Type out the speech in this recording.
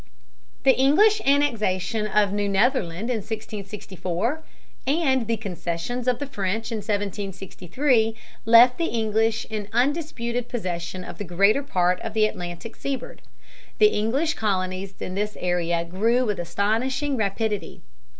The English annexation of New Netherland in 1664, and the concessions of the French in 1763, left the English in undisputed possession of the greater part of the Atlantic seaboard. The English colonies in this area grew with astonishing rapidity.